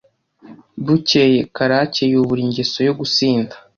bukeye karake yubura ingeso yo gusinda.